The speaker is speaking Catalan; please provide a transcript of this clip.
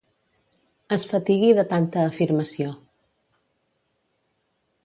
Es fatigui de tanta afirmació.